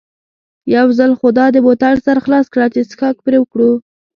یو ځل خو دا د بوتل سر خلاص کړه چې څښاک پرې وکړو.